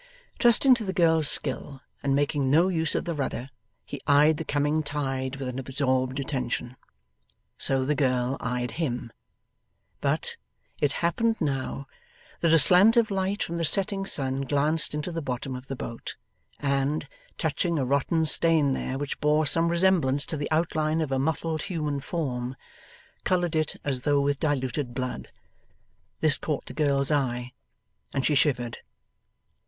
Trusting to the girl's skill and making no use of the rudder, he eyed the coming tide with an absorbed attention. So the girl eyed him. But, it happened now, that a slant of light from the setting sun glanced into the bottom of the boat, and, touching a rotten stain there which bore some resemblance to the outline of a muffled human form, coloured it as though with diluted blood. This caught the girl's eye, and she shivered.